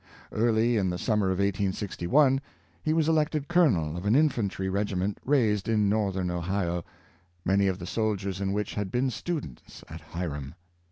Early in the sum mer of 1 86 1 he was elected Colonel of an infantry regi ment raised in Northern Ohio, many of the soldiers in which had been students at Hiram.